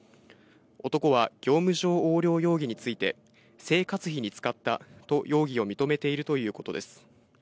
男は業務上横領容疑について、生活費に使ったと容疑を認めているということです。